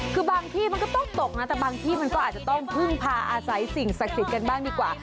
คือบางที่มันก็ต้องตกนะแต่บางที่มันก็อาจจะต้องพึ่งพาอาศัยสิ่งศักดิ์สิทธิ์กันบ้างดีกว่า